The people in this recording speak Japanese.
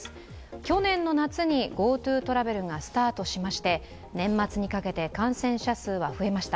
去年の夏にＧｏＴｏトラベルがスタートしまして、年末にかけて感染者数は増えました。